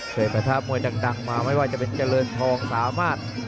ประทะมวยดังมาไม่ว่าจะเป็นเจริญทองสามารถ